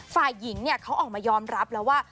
ฝ่ายหญิงเขาออกมายอมรับแล้วว่า